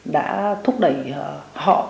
đã thúc đẩy họ